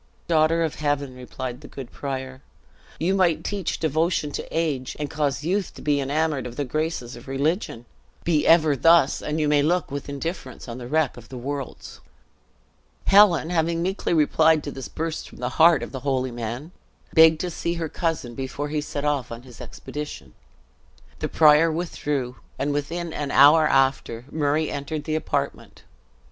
"Daughter of heaven," replied the good prior, "you might teach devotion to age, and cause youth to be enamored of the graces of religion! Be ever thus, and you may look with indifference on the wreck of worlds." Helen having meekly replied to this burst from the heart of the holy man, begged to see her cousin before he set off on his expedition. The prior withdrew, and within an hour after, Murray entered the apartment.